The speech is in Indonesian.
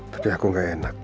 tapi aku gak enak